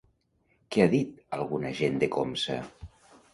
Què ha dit alguna gent de Comsa?